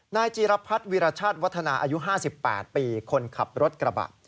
จีรพัฒน์วิรชาติวัฒนาอายุ๕๘ปีคนขับรถกระบะ